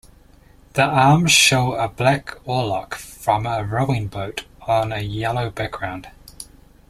The arms show a black oarlock from a rowing boat on a yellow background.